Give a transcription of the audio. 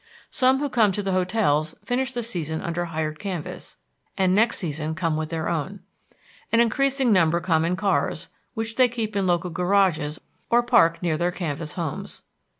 Some who come to the hotels finish the season under hired canvas, and next season come with their own. An increasing number come in cars, which they keep in local garages or park near their canvas homes.